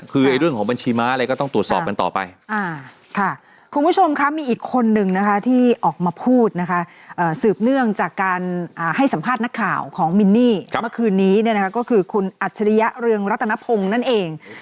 คือเรื่องของบัญชีม้าเลยก็ต้องตรวจสอบกันต่อไป